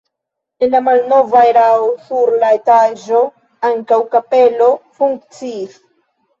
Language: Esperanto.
En la malnova erao sur la etaĝo ankaŭ kapelo funkciis.